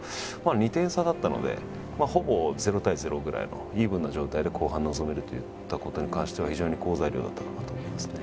２点差だったのでほぼ０対０ぐらいのイーブンな状態で後半臨めるといったことに関しては非常に好材料だったかなと思いますね。